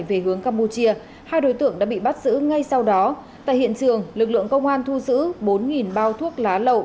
về hướng campuchia hai đối tượng đã bị bắt giữ ngay sau đó tại hiện trường lực lượng công an thu giữ bốn bao thuốc lá lậu